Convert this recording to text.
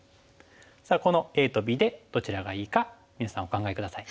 さあこのＡとＢでどちらがいいか皆さんお考え下さい。